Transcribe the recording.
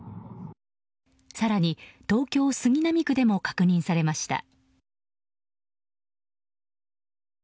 更に、東京・杉並区でも確認されました。